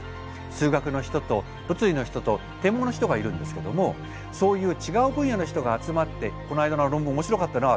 数学の人と物理の人と天文の人がいるんですけどもそういう違う分野の人が集まって「この間の論文面白かったな」。